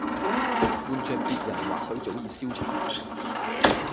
換著別人或許早已消沉